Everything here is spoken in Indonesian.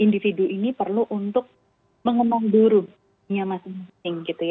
individu ini perlu untuk mengembang buruknya masing masing gitu ya